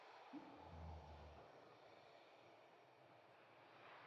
رقیب زما د ذهن د تمرکز ملګری دی